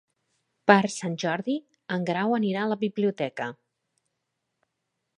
Per Sant Jordi en Grau anirà a la biblioteca.